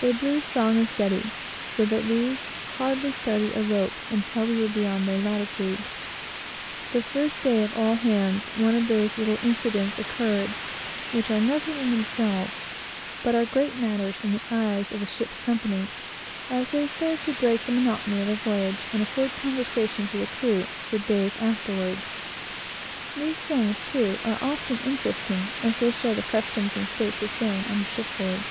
These blew strong and steady, so that we hardly started a rope, until we were beyond their latitude. The first day of "all hands," one of those little incidents occurred, which are nothing in themselves, but are great matters in the eyes of a ship's company, as they serve to break the monotony of a voyage, and afford conversation to the crew for days afterwards. These small matters, too, are often interesting, as they show the customs and state of feeling on shipboard.